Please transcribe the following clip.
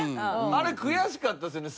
あれ悔しかったですよね。